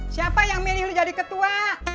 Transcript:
siapa yang milih lo jadi ketua